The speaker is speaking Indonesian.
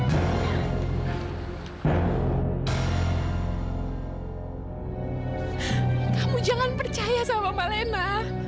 kamu jangan percaya sama mbak lena